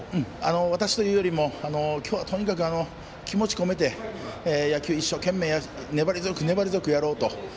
私というよりも今日はとにかく気持ち込めて、野球を一生懸命、粘り強くやろうと。